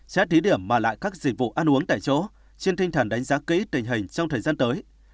xét thí điểm mà lại các dịch vụ ăn uống tại chỗ trên tinh thần đánh giá kỹ tình hình trong thời gian tới